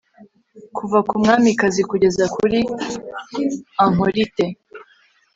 Kuva ku mwamikazi kugeza kuri ankorite